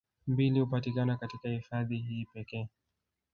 Mbili hupatikana katika hifadhi hii pekee